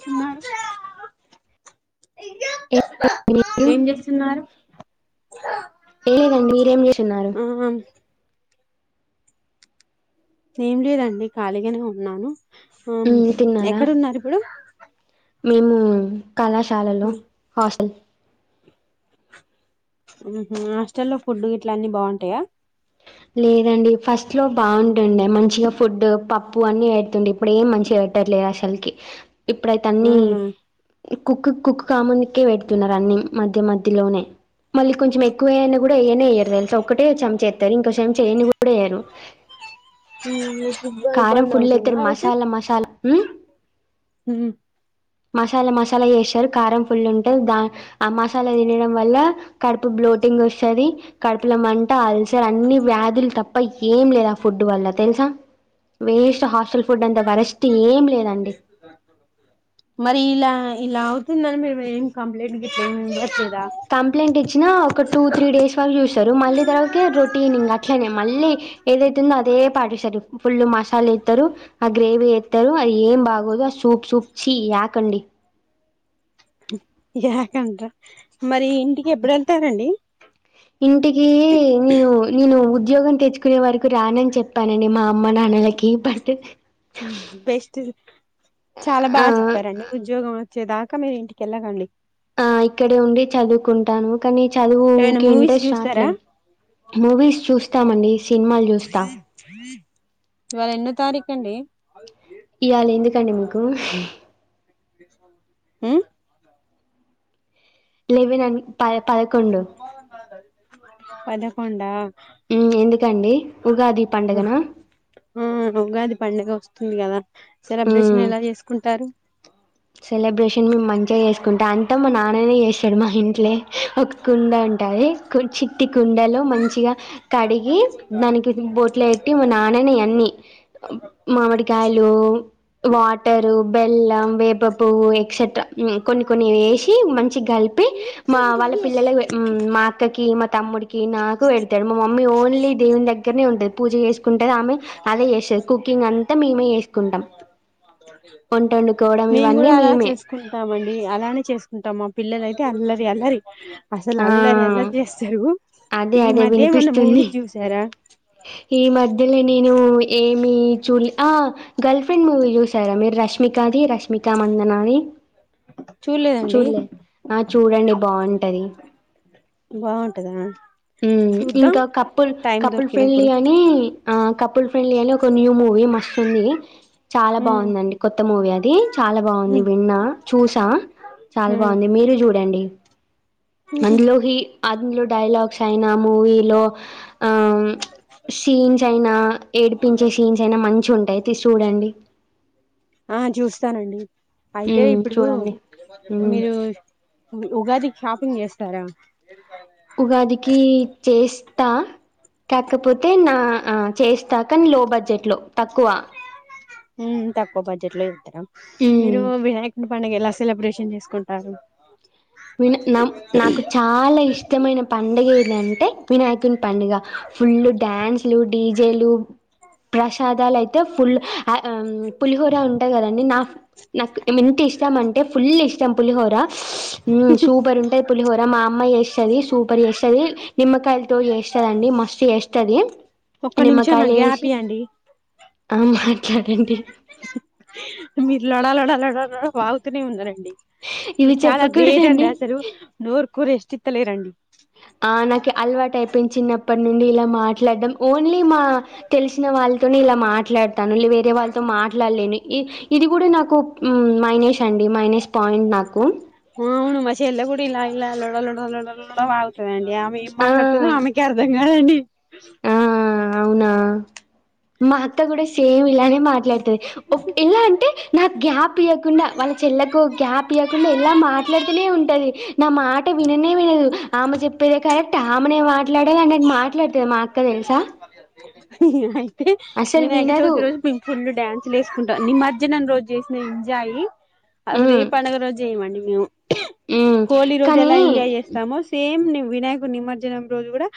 స్తుమ ఏం చేస్తున్నారు ఆ [unintelligible] ఏం లేదండి ఖాళీగానే ఉన్నాను ఉమ్ ఎక్కడ ఉన్నారు ఇప్పుడు మేము కళాశాలలు హాస్టల్ ఉహూ హాస్టల్లో ఫుడ్ ఇట్ల అన్నీ బాగుంటాయా లేదండి ఫస్ట్ లో బాగుంటుండే మంచిగా ఫుడ్ పప్పు అన్ని పెడుతుండే ఇప్పుడు ఏం మంచిగా పెట్టుట్టలేదు అసలుకి ఇప్పుడైత అన్ని అవునా కుక్ కుక్ కాముందుకే పెడుతున్నారు అన్ని మధ్య మధ్యలోనే మళ్ళీ కొంచెం ఎకువేయ్ కూడా ఏనే ఏనేయ్యరు తెలుసా ఒకటే చ రు ఇంకో చెంచా ఎయన కూడా ఎయ్యారు ఈ కారం ఫుల్ ఎత్తరు మసాలా మసాలా ఉమ్ హ్మ్ మసాలా మసాలా యేస్తారు కారం ఫుల్ ఉంటంది దా ఆ మసాలా తినడం వల్ల కడుపు బ్లోటింగ్ వస్తది కడుపుల మంట అల్సర్ అన్ని వ్యాధులు తప్ప ఏం లేదు ఆ ఫుడ్ వల్ల తెలుసా వేస్ట్ హాస్టల్ ఫుడ్ అంతా వరస్ట్ ఏం కె లేదండి సుధాకర్ మరి ఇలా ఇలా అవుతుందని మరు ఏం కంప్లీంట్కి కంప్లైంట్ ఇచ్చినా ఒక టూ త్రీ డేస్ వరకు చూస్తారు మళ్ళీ తర్వాతే రొటీనింగ్ అట్లనే మళ్ళీ ఏదైతుందో అదే పాటిస్తారు ఫుల్ మసాలా ఇస్తారు అ గ్రేవీ యెత్తరు అది ఏం బాగోదు ఆ సూప్ సూప్ చీ యాక్ అండి యాకండ్ర మరి ఇంటికి ఎప్పుడ వెళ్తారండి సీగేక్ ఇంటికీ నిను నిను ఉ ఉద్యోగం తెచ్చుకునే వరకు రానని చెప్పను మా అమ్మ నాన్నలకి బట్ బెస్ట్ ఆ వచ్చే దాకా మీరు ఇంటికెళ్ళగండి ఆ ఇక్కడే ఉండి చదువుకుంటాను కానీ ఏమైనా చదువుకి మూవీస్ ఇంట్రెస్ట్ చూస్తారా రావట్లేదు మూవీస్ చూస్తామండి సినిమాలు చూస్తాం ఇవాళ ఎన్నో తారీఖు అండి ఇవాళ ఎందుకండి మీకు ఉమ్ లేవెనా అని ప పదకొండు హోండా ఇన్ని ఎందుకండి ఉగాది పండగన తూ ని యవ్వ సెలబ్రేషన్ ఎలా చేసుకుంటారు సెలబ్రేషన్ మేము మంచిగా చేసుకుంటాం అంతా మా నాన్ననే జేషిండు మా ఇంట్లే. ఒక కుండ ఉంటది కుర్చీ మట్టి కుండలో మంచిగా కడిగి దానికి బొట్లెట్టి మా నాన్ననే అన్ని మామిడికాయలూ వాటరు బెల్లం వే పప్పూ ఎక్సెట్రా మ్ కొన్ని కొని వేసి మంచిగ కలిపి మా వాళ్ళ పిల్లల మా అక్కకి మా తమ్ముడికి నాకు -కు పెడతాడు మా మమ్మీ ఓన్లీ దేవుని దగ్గరనే ఉంటంది పూజ చేసుకుంటది ఆమె అదే చేస్తంది కుకింగ్ అంతా మేమే చేసుకుంటాం వంటోండుకుంటం. మేము కూడా అలా చేసుకుంటాంమండి అలానే చేసు- ఉంటా మా పిల్లల అయితే అల్లరి అల్లరి అసలు ఆ అల్లరి అల్లరి చేస్తారు అదే ఈ అదే మధ్య ఏమన్నా వినిపిస్తుంది మూవీస్ చూసారా -ధ్యలో నేను ఏమి చూళ్ళే ఆ గర్ల్ ఫ్రెండ్ మూవీ చూసారా మీరు రష్మికాది రష్మికా మందనాది? చూడలేదండి చూడలే ఆ చూడండి. బాగుంటుది బాగుంటదా హ్మ్మ్ చూద్దాం ఇంకా కప్పుల్ టైం కపుల్ ఫ్రెండ్లీ దొరికినప్పుడు అని ఆ కపుల్ పెళ్ళి అని ఒక న్యూ మూవీ మస్తు ఉంది. చాలా ఉమ్ బాగుందండి కొత్త మూవీ అది. చాలా బాగుంది. ఉమ్ విన్నా, చూసా చాలా ఉమ్ బాగుంది మీరు చూడండి. ఉహు అందులోకి అందులో డైలాగ్స్ అయినా మూవీలో ఆమ్ షీన్స్ అయినా ఏడిపించే సీన్స్ అయినా మంచి ఉంటాయి తీసి చూడండి తానండి అయితే మ్మ్ ఇప్పుడూ చూడండి మ్మ్ మీరు ఉ- ఉగాది షాపింగ్ చేస్తారా తా కాకపోతే నా ఆ చే మ్ తక్కువ బడ్జెట్ లో ఇతారా మీరు మ్మ్ వినాయకుడు పండుగ ఎలా సెలబ్రేషన్ చేసుకుంటారు విన్ - నం నాకు చాలా ఇష్టమైన పండుగ ఎదంటే వినాయకుని పండుగ ఫుల్ డ్యాన్స్ లు డీజేలు ప్రషాదాలు ఆయితే ఫుల్ ష్ ఐ అమ్ పులిహోర ఉంటది కదండీ నా ఫే నాకు ఎంత ఇష్టం అంటే ఫుల్ ఇష్టం పులిహోర మ్మ్ సూపర్ ఉంటది పులిహోర మా అమ్మ చేస్తది సూపర్ చేస్తది నిమ్మకాయలతో చేస్తదండి మస్తు చేస్తది ఒక్క నిమిషం నా గ్యాప్ ఇయ్యండి ఆ మాట్లాడండి మీరు లొడ లొడ లొడ లోడ వాగుతూనే ఉన్నారండి ఇవి మీరు చాలా గ్రేట్ అండి చెప్పకూడదండి అసలు నూరు కు రెస్ట్ ఇత్తలేరండి ఆ నాకు అలవాటై పెంచినప్పటి నుండి ఇలా మాట్లాడడం ఓన్లీ మా తెలిసిన వాళ్ళతోనే ఇలా మాట్లాడతాను ఇలా వేరే వాళ్ళతో మాట్లాడలేను ఇ ఇది కూడా నాకు మ్మ్ మైనేష్ అండి మైనేష్ పాయింట్ నాకు చెల్ల కూడా ఇలా ఇలా లొడ లొడ లొడ లొడ వాగుతుందండి ఆమె ఏం ఆ మాట్లాడుతుందో ఆమెకి అర్థం కాదండి ఆ అవునా మా అత్త గూడా సేమ్ ఇలానే మాట్లాడతది ఒక్ ఎలా అంటే నా గ్యాప్ ఇయ్యకుండా వాళ్ళ చెల్లెకు గ్యాప్ ఇయ్యకుండా ఎలా మాట్లాడుతూనే ఉంటది. నా మాట విననే వినదు ఆమె చెప్పేదే కరెక్టా ఆమెనే మాట్లాడదు ఆయనక్ మాట్లాడుతది మా అక్క తెలుసా అయితే అసలు వినాయక వినదు చవితి రోజు పింపుళ్లు డ్యాన్సులు వేసుకుంటా నిమర్జనం నను రోజు చేసిన ఎంజాయి అసలు ఏ ఉమ్ పండగ రోజు చేయమండి. మేము ఉమ్ హోలీ రోజు కానీ ఎలా ఎంజాయ్ చేస్తాము సేమ్ వినాయకుడు నిమర్జనం రోజు గుడా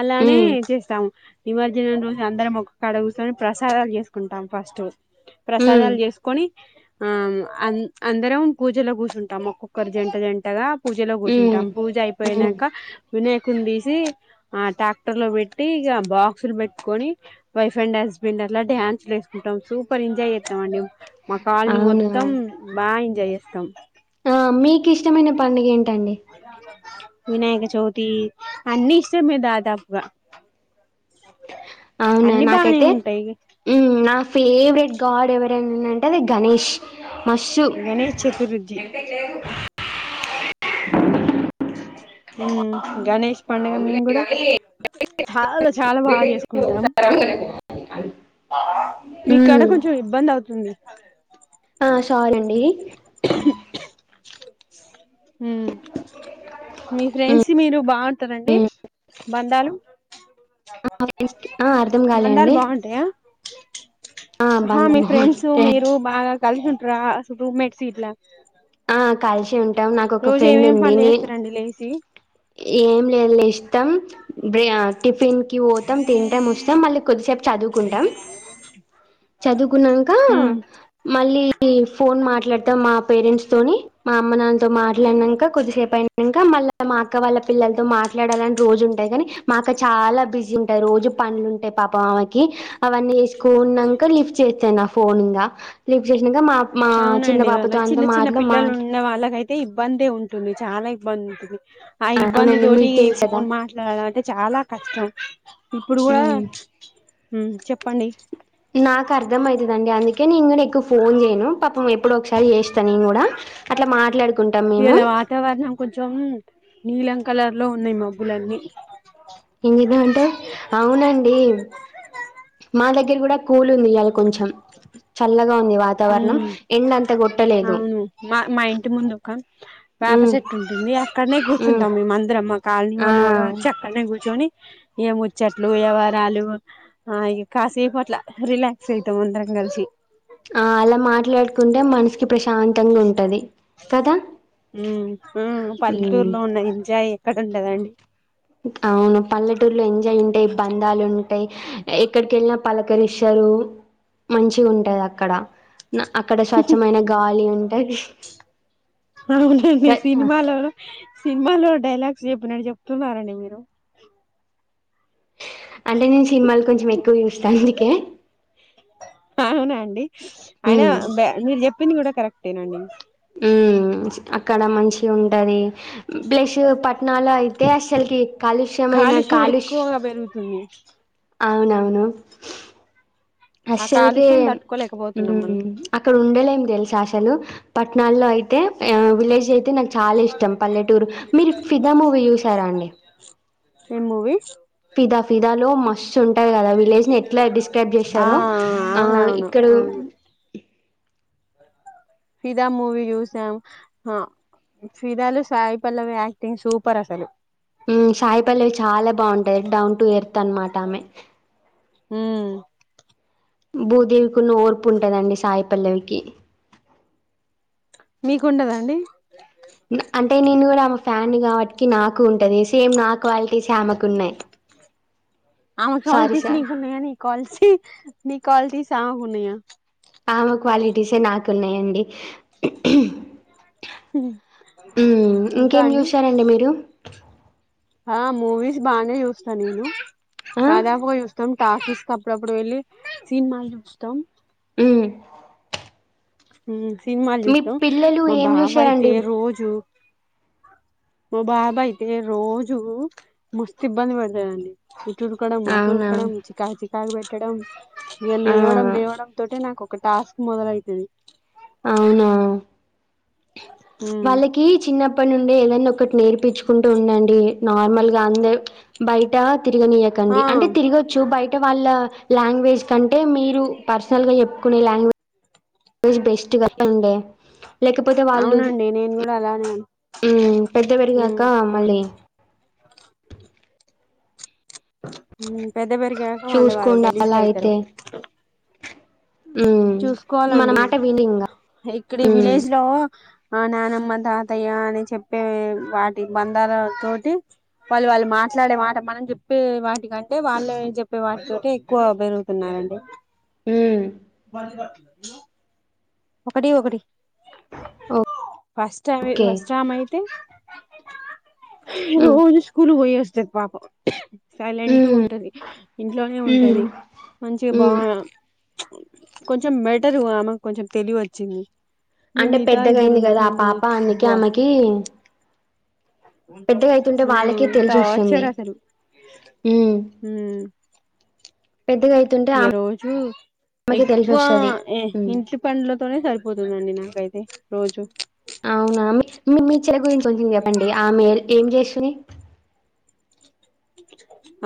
అలానే ఉమ్ చేస్తాము నిమర్జనం రోజు అందరం ఒక కాడ కూసొని ప్రసాదాలు చేసుకుంటాం ఫస్ట్ ఉమ్ ప్రసాదాలు చేసుకొని ఆ అన్ అందరం పూజలో కూసుంటాము ఒక్కొక్కరు జంట జంటగా పూజలో ఉమ్ కూసుంటాం పూజ ఉమ్ అయిపోయినాక వినాయకుణ్ణి తీస్ ది ఆ ట్రాక్టర్ లో పెట్టి ఇక బాక్సులు పెట్టుకొని వైఫ్ అండ్ హస్బెండ్ అట్లా డ్యాన్సులు వేసుకుంటాం సూపర్ ఎంజాయ్ చేస్తాం అండి మా కాలనీ అవునా మొత్తం బా జాయ్ చేస్తాం ఆ మీకు ఇష్టమైన పండుగ ఏంటండ్ అద వినాయకచవితి అన్ని ఇష్టమే దాదాపుగా అవును అన్ని బానే నాకైతే ఉంటాయి నా ఫేవరెట్ గాడ్ ఎవరైనా ఉందంటే అది గణేష్ మస్సు గణేష్ చతుర్థి [unintelligible] ఉమ్ గణేష్ పండుగ మేము కూడా చాలా చాలా బాగా చేసుకుంటాం ఆహ్ మీక్కడ కొంచెం ఇబ్బంది అవుతుంది ఆ సార్ అండి [inaudible] మీ ఫ్రెండ్స్ మీరు బాగుంటారండి బందాలు ఫ్రెండ్స్ అర్థం కాలే అండి [inaudible] ఆ మీ ఫ్రెండ్స్ మీరు బాగా కలిసి ఉంట్ర అసలు రూమ్ మేట్స్ ఇడ్లా కాల్ ఉంటాం నాకు ఒక ఫ్రెండ్ ఏమేం ఉంది పనులు ని చేస్తారండి లేసి ఏం లేదు ఇష్టం టిఫిన్ పోతం తింటాం వస్తం మళ్లీ కొద్దిసేపు చదువుకుంటం చదువుకున్నాక మళ్ళీ ఫోన్ మాట్లాడటం మా పేరెంట్స్ తో మా అమ్మ నాన్నతో మాట్లాడినాక కొద్దిసేపు అయినాక మళ్ళీ మా అక్క వాళ్ళ పిల్లలతో మాట్లాడాలని రోజు ఉంటాయి కానీ మా అక్క చాలా బిజీ ఉంటాయి రోజు పంలు ఉంటాయి పాప మామకి అవన్నీ వసుకున్నాక లిఫ్ట్ చేస్తాను నా ఫోన్ లిఫ్ట్ చే మా మా చిన్న అవునండి పాపతో వాళ్ళకి అంతా చిన్న మా చిన్న పిల్లలు ఉన్న వాళ్ళకయితే ఇబ్బందే ఉంటుంది చాలా ఇబ్బంది ఉంటది ఆ ఇబ్బంది అవునండి తోటి మీకు తెలుసు కదా ఫోన్ మాట్లాడడం అంటే చాలా కష్టం ఇప్పుడు కూడా మ్మ్ చెప్పండి నాకు అర్థం అయితదండి అందుకే నేను కూడా ఎక్కువ ఫోన్ చేయ్యను పాపం ఎప్పుడు ఒకసారి చేస్తా నేను కూడా అట్లా మాట్లాడుకుంటాం మేము ఇయాల వాతావరణం కొంచెం నీలం కలర్ లో ఉన్నాయి మబ్బులన్నీ ఏందట అవునండి మా దగ్గర కూడా కూలి ఇయ్యాల కొంచెం చల్లగా ఉంది వాతావరణం ఎండ అంత కొట్టలేదు అవును మా మా ఇంటి ముందు ఒక వేప ఉమ్ చెట్టు ఉంటుంది అక్కడనే ఉమ్ కూర్చుంటాం మేముమందరం మా కాలనీ ఆ వాళ్ళు కూడా వచ్చి అక్కడనే కూర్చొని ఏ ముచ్చట్లు వ్యవరాలు ఆ ఇ కాసేపు అట్లా రిలాక్స్ అవుతాం అందరం కలిసి ఆ అలా మాట్లాడుకుంటే మనసుకి ప్రశాంతంగా ఉంటది కదా ఉమ్ క్కడ ఉండదండి అవును పల్లెటూర్లో ఎంజాయ్ ఉంటయి బంధాలు ఉన్ టే ఎక్కడికి వెళ్ళినా పలకరిస్సారు మంచిగ ఉంటది అక్కడ అక్కడ స్వచ్ఛమైన గాలి ఉంటాయి అవునండి సినిమాలో సినిమాలో డైలాగ్స్ చెప్పినట్టు చెప్తున్నారండి మీరు అంటే నేను సినిమాలు కొంచెం ఎక్కువ చూస్తాను అందుకే అవునా అండి అయిన ఉమ్ బె మీరు చెప్ ప్పింది కూడా కరెక్టేనండి ఉ అక్కడ మంచి ఉంటది బ్లస్ ప ట్నాలో అయితే అస్సలకి కాలుష్యమైన కాలుష్యం కాలుష్ ఎక్కువగా పెరుగుతుంది అవునవును ఆ అస్సలకి కాలుష్యం తట్టుకోలేకపోతున్నాం మనం ఊమ్ అక్కడ ఉండలేం తెలుసా అస్సలు పట్టణాల్లో అయి తే ఆ విలేజ్ అయితే నాకు చాలా ఇష్టం పల్లెటూరు మీరు ఫిదా మూవీ యూసారా అండి ఏం మూవీ ఫిదా ఫిదాలో మస్త్ ఉంటది కదా విలేజ్ ని ఎట్లా డిస్క్రైబ్ ఆ జేశారో ఆ అవునవును ఇక్కడ అవును ఫిదా మూవీ చూసాం హ ఫిదాలో సాయి పల్లవి యాక్టింగ్ సూపర్ అసలు హ్మ్ సాయిపల్లెవి చాలా బాగుంటాది డౌన్ టు ఎర్త్ అనమాట ఆమె హ్మ్ భూదేవికున్న ఓర్పు ఉంటదండి సాయిపల్లవికి మీకుండదండి ఫ్యాన్ ని కాబట్టికి నాకు ఉంటది సేమ్ నా క్వాలిటీస్ ఆమెకు ఉన్నాయి ఆమె క్వాలిటీస్ నీకున్నాయా నీకోలిటీ నీ క్వాలిటీస్ ఆమ్ ఉన్నయా ఆమె క్వాలిటీసే నాకు ఉన్నాయండి ఉమ్ ఇంకా ఇంకేం అండి చూశారండి మీరు ఆ మూవీస్ బాగానే చూస్తా నేను ఆ దాదాపు గా చు త్తం టాఫీస్ కప్పుడప్పుడు వెళ్ళి సినిమాలు చూస్తాం మ్మ్ హు సినిమాలు మీ చూస్తాం పిల్లలు మా ఏం బావ అయితే చూశారండి రోజు ఓ బాబయితే రోజు మస్తు ఇబ్బంది పెడతాడండి డుకడం అటు అవునా ఊరకడం చికా చికాకు పెట్ కెడం ఎ ఆ లేవడం లేవడం తోటె నాకు ఒక టాస్క్ మొదలైతది అవునా ఉమ్ వాళ్ళకి చిన్న ఇప్పటినుండి ఏదైనా ఒకటి నేర్పించుకుంటూ ఉండండి నార్మల్ గా అంద బయట ఆ తిరగనీయకండి అంటే తిరగొచ్చు బయ్ అంటే వాళ్ళ లాంగ్వేజ్ కంటే మీరు పర్సనల్ గా చెప్పుకునే లాంగ్వేజ్ బెస్ట్ బస్టాండే అవునండి నేను కూడా అలానే ఓ పెద్దవరిగాక ఉమ్ మళ్ళీ మ్మ్ పెద్ద పెరిగాక మళ్ళీ వాళ్లు చూసుకోండి అలా గలీజ్గైతారు. అయితే ఉమ్, మన చూసుకోవాలండి మాట విని ఇంకా ఇక్కడి ఈ ఉమ్, విలేజ్ లో మా నానమ్మ తాతయ్య అని చెప్పే వాటి బంధాల తోటి వాళ్ళు వాళ్ళు మాట్లాడే మాట మనం చెప్పే వాటికంటే వాళ్ళు చెప్పే వాటితో ఎక్కువ పెరుగుతున్నారండి మ్మ్ మంది కాద్ [inaudible] ఒకడి ఒకటి ఓ- ఫస్ట్ టైమ్ ఓకే ఫస్టామైతే ఉమ్, రోజు స్కూల్ పోయిస్తా చిట్టి పాప కి సైలెంటు ఉమ్, గుంటది ఇంట్లోనే ఉమ్, ఉంటది మంచిగ బా ఉమ్. కొంచెం మెటరు ఆమె కొంచం తెలివి వచ్చింది ఇగ అంటే మిగతా ఇద్దరు పెద్దగాయింది కదా ఆ ఉన్నారండి పాప అందుకె ఆమెకి పెద్దగా అవుతుంటే మ్మ్ వాళ్ళకే తెలిసి వస్తుంది టాచరసలు ఉమ్, మ్మ్ పెద్దగా అవుతుంటే ఏ ఆమె రోజు ఆమెకి తెలిసి ఎక్కువ వస్తుంది ఉమ్, ఇంటి పండ్లతోనే సరిపోతుందండి నాకైతే రోజు అవునా మీర్ మీ చెయ్ గురించి కొంచెం చెప్పండి ఆమె ఏం చేసి న్ని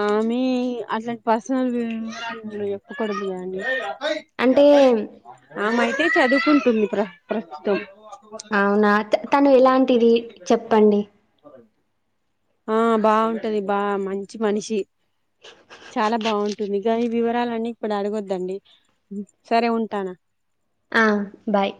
ఆమె అట్లాంటి పర్సనల్ వివరాలు చెప్పకూడదుండి అంటే అమై టే చదువుకుంటుంది పెళ్లి కి రా ప్రస్తుతం అవునా తను ఎలాంటిది చెప్పండి ఆ బాగుంటంది బా మంచి మనిషి చాలా బాగుంటుంది గాఈ వివరాలన్నీ ఇప్పుడు అడగొద్దండి సరే ఉంటానా ఆ బాయ్